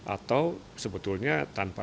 atau sebetulnya tanpa